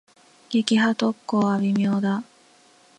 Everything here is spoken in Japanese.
撃破特攻は微妙だ。